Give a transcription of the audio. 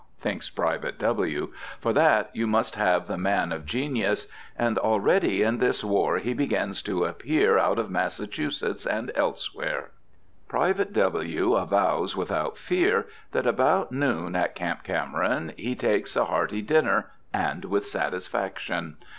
thinks Private W., "for that you must have the man of genius; and already in this war he begins to appear out of Massachusetts and elsewhere." Private W. avows without fear that about noon, at Camp Cameron, he takes a hearty dinner, and with satisfaction.